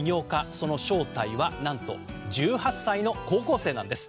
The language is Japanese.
その正体は何と１８歳の高校生なんです。